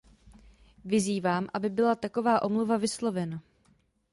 Vyzývám, aby byla taková omluva vyslovena.